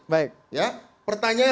baik ya pertanyaannya